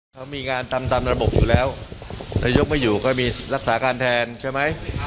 เขามีงานทำตามระบบอยู่แล้วนายกไม่อยู่ก็มีรักษาการแทนใช่ไหม